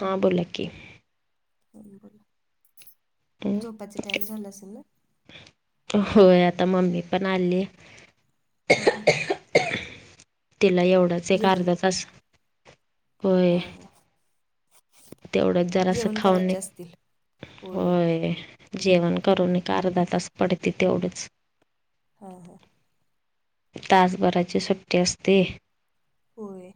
हां बोला की. हम बोला. झोपाच टाइम झाल असेल ना? होय आता ममीपण आलीय. आ ह. तिला एवढंच एक जेवण अर्धातस होय हां हां तेवढंच जरा असं जेवण खाऊन करायचे एक असतील होय जेवण करून एक अर्धातास पडते तेवढंच. हम् ह. तासभराची सुट्टी असते. होय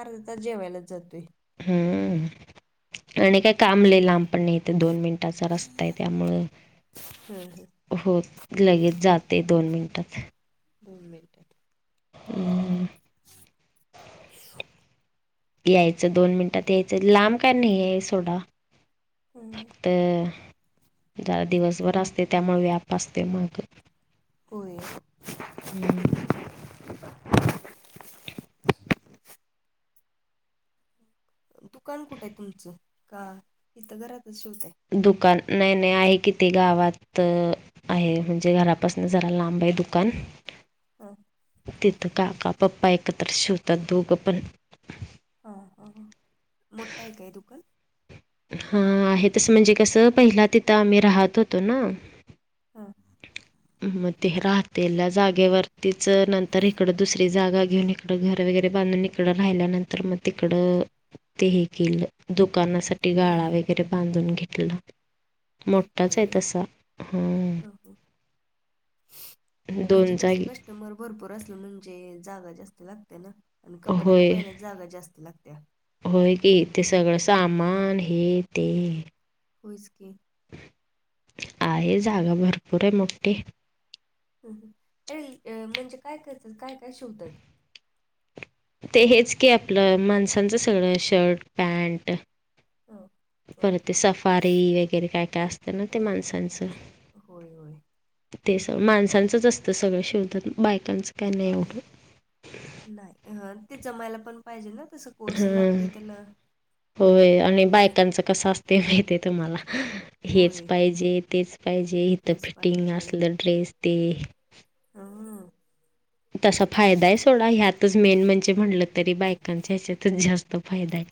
अर्धा तास जेवायलाच जातोय. हम्म आणि काय काम लई लाम पण नई. ते दोन मिनिटाचा रस्ता हायं त्यामुळं हं हं हो लगेच जातय दोन मिनटात. दोन मिनटात हम्म. यायचं दोन मिनिटात यायचं लांब काय नाहीयाय सोडा. हम. त जरा दिवसभर असतयं त्यामुळं व्याप असतयं मागं होयं. हम्म. [inaudible] दुकान कुठं आहे तुमचं का इथं घरातच शिवताय. दुकान नाही नाही आहे कि ते गावात. आहे म्हणजे घरापासन जरा लांब हायं दुकान. हा. तिथं काका पप्पा एकत्र शिवतात दोघं पण. हा हा मोठं हायं काय दुकान हां आहे तसं म्हणजे कसं पहिला तिथं आम्हीं राहतं होतो नां. हां. मं ते राहतेल जागेवरतीच नंतर इकडं दुसरी जागां घेऊन कडं घरं वगैरें बांधून हिकडं राहिल्यानंतर मं तिकडं ते हे केलं. दुकानां सांठी हं गांळा हं वगैरें बांधून घेतला. मोठाचं घेतलंय हायं व्हय तसां हां. हं हं म्हणजे दोन कसं जागी कस्टमर भरंपूर असलं म्हणजे जांगा जास्तं लागते नां. आणि कपड्यांला पहिल्यांच जागां जास्तं लागतीया. होयं की ते सगळं सामान हे ते. होयंच की. आहे जागां भरंपूर ये मोठी. अहं ये म्हणजे कायं करतांत कायं कायं शिवतांत. ते हेचं की आपलं माणसांचं सगळं शर्ट पॅन्ट. हं. अ परंत ते सफारी वगैरें कायं कायं असतं नां ते माणसाचं. होयं होयं. ते सं माणसाचंच असतं सगळं शिवतांत बायकांचं काय नाही हां हां एवढं नाहीहं ते जमायंला पणं पाहिजे नां- हम्मं होयं आणि बायकांचं कसं असते माहित आहे तुम्हांला हेचं होय पाहिजे तेचं पाहिजे इथं तेच फिटिंग पाहिजे असलं ड्रेस ते हां तसां फायंदा आहे सोंडा ह्यांतच मेन म्हणजे म्हटलं तरी बायकांचा ह्याच्यांतच जास्तं फायंदा आहे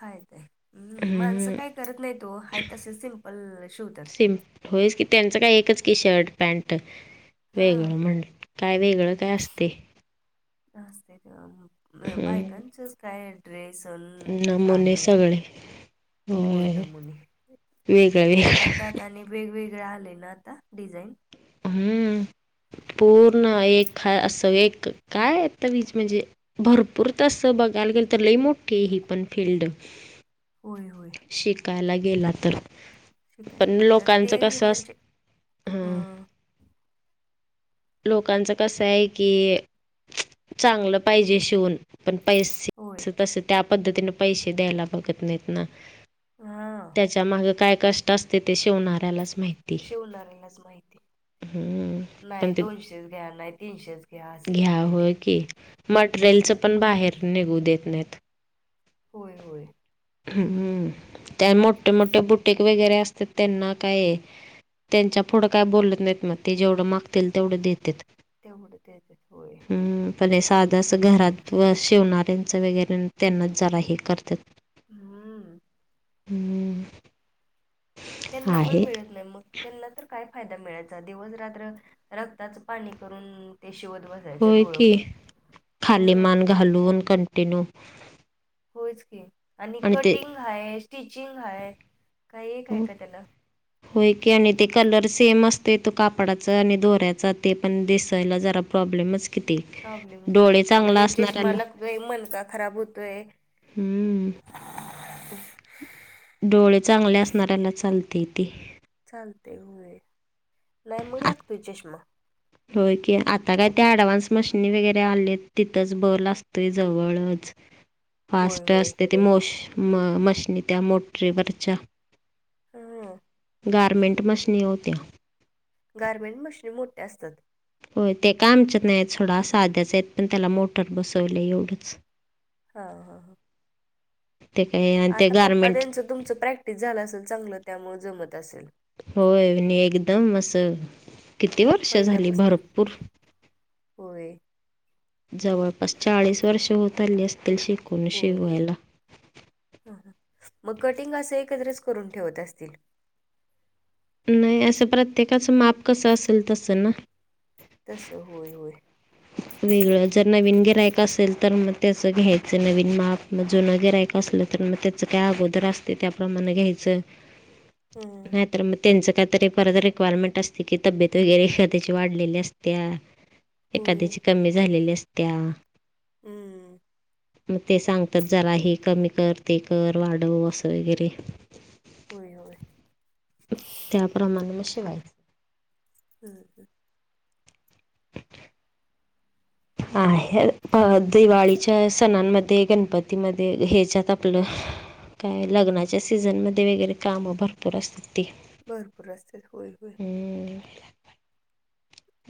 फायंदा आहे हम्मं माणसं हम्म कायं करतं नाहीं तो पल्ल शिवतांत सिंम होतंच की त्यांचं कायं एकचं की शर्ट पॅन्ट हां वेगळं म्हंण कायं वेगळं कायं असते नस्ते हम्म, बायकांचच कायं ड्रेसन अं नमुने सांडी सगळे होय होयं नमुने वेगळं वेगळं आणं त्यातांत आणि वेगवेगळं आलयं नां आंता डिझाईन. हम्मं पूर्ण एक हां असं एक कायं आंता वीज म्हणजे भरंपूर तसं बघांयला गेलं तरं लई मोठी ही पणं फिल्ड होयं होयं शिकांयला गेलां तरं शिकांयला येत ते अस म्हणजे हां हम्मं लोकांच कसं आहे की चांगलं पाहिजे शिवूंन पणं होय पैसे तसं त्यां पद्धतीने पैसे द्यांयला बघतं नाहींत नां हां त्यांच्यामागं कायं कंष्ट असते ते शिवणाऱ्यांलाच माहिती शिवणाऱ्यांलाच माहिती हम्म. नाहीं दोनशेच घ्यां नाहीं तीनशेच घ्या असंच करते घ्यांव ते की मटेरियलचं पणं बाहेर निघूं देतं नाहींत होयं होयं हम्मं त्यां मोठे मोठे बुंटीक वगैरें असतांत त्यांना कायं त्यांच्या पुढं कायं बोलतं नाहींत मंग ते जेवढं मागतील तेवढं देतेत त्यांमुळें त्यांच्यात होयं हम्मं पणं सांधा असं घरांत व शिवणाऱ्यांच वगैरें त्यांनाच जरां हे करतांत हूम्. हू म. त्यांना पण मिळत नाही मग, त्यांना तर काय फायदा मिळायचा? दिवस, रात्र रक्ताचं पाणी करून, ते शिवत बस होय की, खाली मान घालून कंटिन्यू होयच की आणि कटिंग हाय, स्टिचिंग हाय काही एक हाय का त्याला? होय की आणि ते कलर सेम असतय, तो कापडाचा आणि दोऱ्याचा ते पण दिसायला जरा प्रॉब्लेमच. किती प्रॉब्लेमच डोळे करतोय, चांगला लगेच चष्मा असणाऱ्याला लागतोय, मनका खराब होतोय. हुं. डोळे चांगले असणाऱ्यानाच चालतय ते. चालतय व्हय, नाही म आत- लागतोय चष्मा. होय की, आता काय त्या ऍडव्हान्स मशिनी वगैरे आलेत, तिथंच बल असतोय जवळच. ह [inaudible] फास्ट असतय त्या मोश म मशनी त्या मोटरीवरच्या. ह [unintelligible] गारमेंट मशिनी ओ त्या? गारमेंट मशनी मोठ्या असतात. होय ते काय आमच्यात नाहीत सोडा, साध्याच हाईत, पण त्याला मोटर बसवलंय एवढंच. हा हा हा. ते काय आणि ते आता पप्पा गारमेंट त्यांचं तुमचं प्रॅक्टिस झालं असेल चांगलं त्यामूळ जमत असल. होय नी एकदम असं, किती वर्ष झाली? पहिल्यापासून भरपूर होय. जवळपास चाळीस वर्ष होत आली असतील, शिक होय, हा हा मग कटिंग असं एकत्रच करून ठेवत असतील. नाही असं प्रत्येकाचं माप कसं असेल तसं ना? तस होय होय. वेगळं जर नवीन गिरायक असेल तर, मग त्याचं घ्यायचं नवीन माप. म जुनं गिरायकं असलं, तर मग त्याचं काय अगोदर असतय त्याप्रमाण घ्यायचं. ह [inaudible] नाहीतर म तेंचं कायतरी परत रिक्वायरमेंट असते की, तब्येत वगैरे एखाद्याची वाढलेली असत्या होय. एखाद्याची कमी झालेली असत्या. हू म. म ते सांगतात जरा हे कमी कर, ते कर, वाढव असं वगैरे व्हय व्हय. त्याप्रमाण म शिवायच. हम् ह [unintelligible] हा हे अ दिवाळीच्या सणांमध्ये, गणपतीमध्ये हेच्यात आपलं काय लग्नाच्या सीझनमध्ये वगैरे कामं भरपूर असतात ती. भरपूर असत्यात. व्हय व्हय. ह [unintelligible]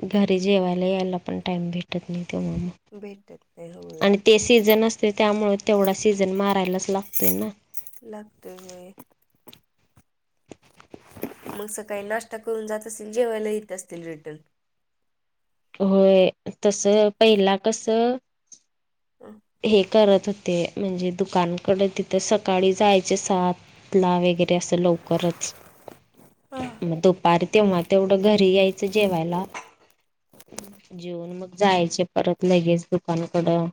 घरी जेवायला यायला पण टाइम भेटत नाही तेव्हा म. भेटत्यात. आणि ते सीझन असतय ना, त्यामुळे तेवढा सीझन मारायलाच लागतोय ना? लागतय होय. मग सकाळी नाश्ता करून जात असतील जेवायला येत असतील रिटर्न. होय. तस पहिला कस [inaudible] हे करत होते म्हणजे दुकानकड तिथं सकाळी जायचे सात ला वगैरे ते असं लवकरच दूपार तेव्हा तेवढं घरी यायचं जेवायला जेऊन मग जायचे परत लगेच दुकानकडं.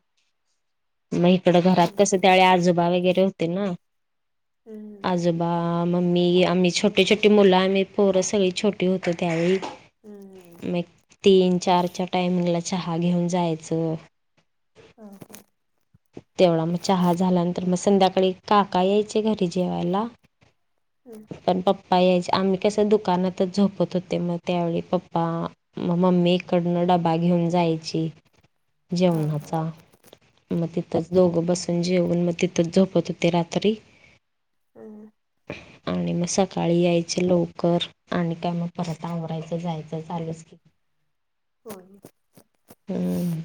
म इकडं घरात कस त्यावेळी आजोबा वगैरे होते ना हं. अजून बा मम्मी आम्ही छोटी छोटी मुलं आम्ही पोरं सगळी छोटी होतो त्यावेळी हं. म एक तीन -चारच्या टायमिंग ला चहा घेऊन जायचं. हा -हा. तेवढा मग चहा झाल्यानंतर मग संध्याकाळी काका यायचे घरी जेवायला. हं. पण पप्पा यायचे आम्ही कस दुकानातच झोपत होते मग त्यावेळी पप्पा म मम्मी इकडनं डबा घेऊन जायची हां हां. जेवणाचा. मग तिथंच दोघं बसून जेवन मग तिथंच झोपत होते रात्री. हम् ह आणि मग सकाळी यायचे लवकर आणि काय मग परत आवरायचं जायचं चालूच की होय. हम्.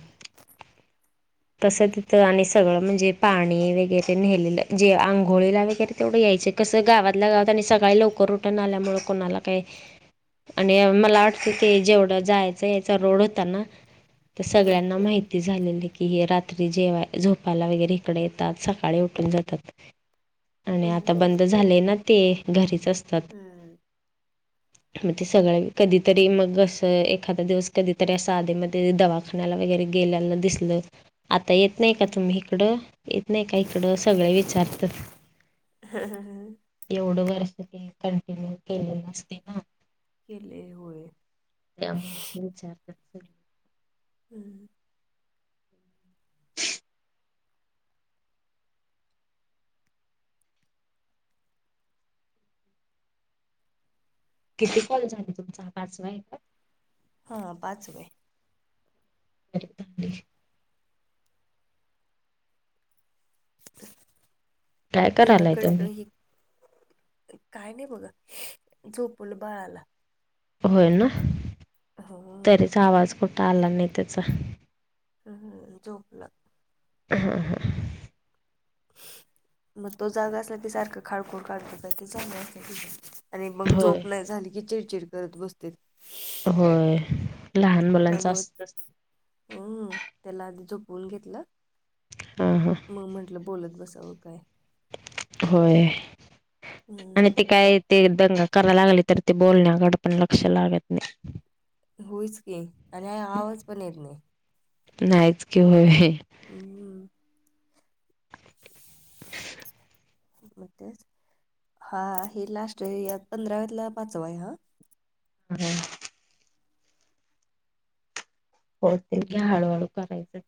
तसं तिथं आणि सगळं म्हणजे पाणी वगैरे नेलेलं जे आंघोळीला वगैरे तेवढं यायचे. कसं गावातल्या गावात आणि सकाळी लवकर उठून आल्यामुळ कोणाला काय आणि मला वाटतं की जेवढं जायचं यायचा रोड होता ना? ते सगळ्यांना माहिती झालेल की हे रात् त्री जेवाय झोपायला वगैरे इकडे येतात सकाळी उठून जातात. आणि आता हम्म. बंद झालेय ना ते घरीच असतात. [inaudible] मग ते सगळे कधीतरी मग असं एखादा दिवस कधीतरी असं आधेमध्ये दवा खाण्याला वगैरे गेल्याल दिसलं आता येत नाही का तुम्ही हिकडं येत नाही का इकडं सगळे विचारतात. ह ह ह एवढं वर्ष ते कंटिन्यू केलेलं असतय ना? केलय होय. त्यामुळ ते विचारत्यात सगळे. हम ह. किती कॉल झाले तुमचा हा पाचवाय का? हा पाचवाय. तरीपण काय एवढा करायलाय कट तुम्ही हि काय नाही बघा झोपवलो बाळाला. होय ना? हम्म. चा आवाज कुठ आला नाही त्याचा. हम् हम्म झोपला. हं हं मंग तो जागां असला की सांरखा खाडकोळ काडकोब ते झागलं असल्या आणि मंग होय झोंप नाहीं झाली की चिडचिड करतं बसते होयं लहांन मुलांच असतं हम्मं त्यांला आंधी झोपवूंन घेतला हम्मं हम्मं मंग म्हटलं बोलतं बसावं कायं होयं आणि हम्म ते कायं ते दंगा करायंला लागले तरं ते बोलण्याकडे पणं लंक्ष लागतं नाहीं होईच की आणि आवांज पणं येतं नाहीं नाहीच किवयं होयं हम्मं - [unintelligible] हां हे लांस्ट पंधराव्यांतला पांचवा आहे हां हम्मं हो ते हळूहळू करायचं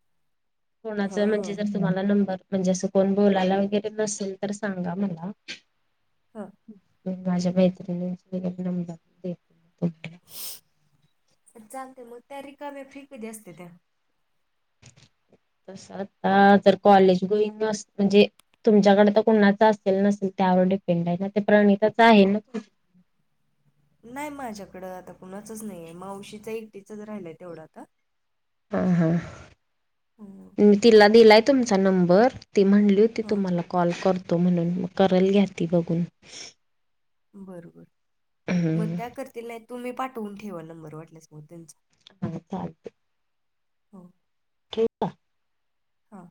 कोणाचं म्हणजे हा जरं तुम्हांला नंबर म्हणजे असं कोणं बोलायला वगैरें नसेल तरं सांगा मलां हां माझ्या मैत्रिणी दिले की नंबर ते चालते मंग त्यां रिकाम्या फ्री कमी असते त्यां - [unintelligible] तसं आंता तरं कॉलेज गोईंग म्हणजे तुमच्यांकडे तरं कुणाचं असेल नसेल त्यांवर डिपेंड आहे नां ते प्रणिताच आहे नां नाहीं माझ्याकडं आंता कुणांचच नाहीये मावशीच एकटीचच राहिलंय तेवढं आंता हां हां हम्मं तिलां दिलांय तुंमचा नंबर ती म्हणली होती हा तुम्हांला कॉल करतो म्हणूंन मंग करलं घ्यां ती बघूंन बरं बरं मंग हम्म त्यां करतील नाहीं तुम्हीं पाठवूंन ठेवां नंबर वाटल्यांस मंग त्यांचा हां चालतंय हो ठीकं आहे हां